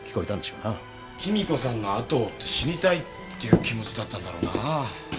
貴美子さんの後を追って死にたいっていう気持ちだったんだろうなぁ。